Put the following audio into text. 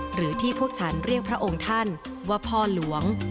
หรือที่พวกฉันเรียกพระองค์ท่านว่าพ่อหลวง